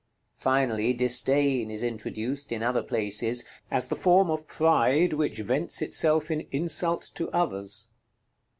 Finally, Disdain is introduced, in other places, as the form of pride which vents itself in insult to others.